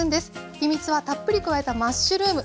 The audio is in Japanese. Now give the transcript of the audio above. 秘密はたっぷり加えたマッシュルーム。